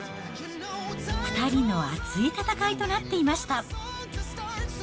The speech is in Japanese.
２人の熱い戦いとなっていました。